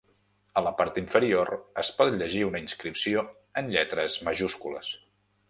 A la part inferior es pot llegir una inscripció en lletres majúscules.